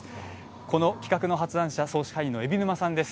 この企画の発案者、総支配人の海老沼さんです。